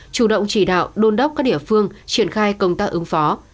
chủ động chỉ đạo đôn đốc các địa phương triển khai công tác ứng phó